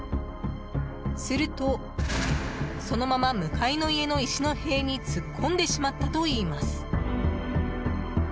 するとそのまま向かいの家の石の塀に突っ込んでしまったといいます。